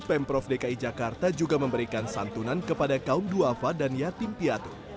pemprov dki jakarta juga memberikan santunan kepada kaum duafa dan yatim piatu